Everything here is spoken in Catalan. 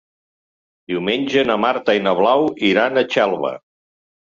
Diumenge na Marta i na Blau iran a Xelva.